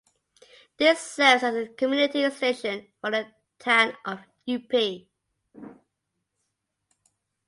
This serves as the community station for the town of Upi.